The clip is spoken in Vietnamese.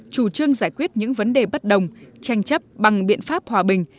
chủ trương giải quyết những vấn đề bất đồng tranh chấp bằng biện pháp hòa bình